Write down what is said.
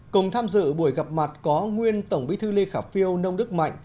cùng tham dự buổi gặp mặt có nguyên tổng bí thư lê khả phiêu nông đức mạnh